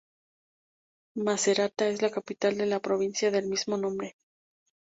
Macerata es la capital de la provincia del mismo nombre.